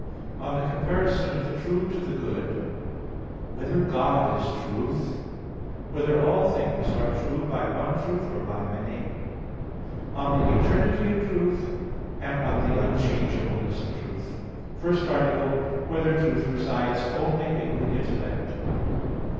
(4) On the comparison of the true to the good. (5) Whether God is truth? (6) Whether all things are true by one truth, or by many? (7) On the eternity of truth. (8) On the unchangeableness of truth. _______________________ FIRST ARTICLE [I, Q. 16, Art. 1] Whether Truth Resides Only in the Intellect?